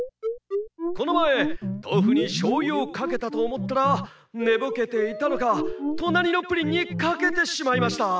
このまえとうふにしょうゆをかけたとおもったらねぼけていたのかとなりのプリンにかけてしまいました。